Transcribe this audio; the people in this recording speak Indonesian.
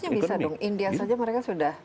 harusnya bisa dong india saja mereka sudah berhasil